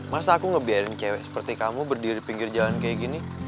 masa aku ngebiarin cewek seperti kamu berdiri di pinggir jalan kayak gini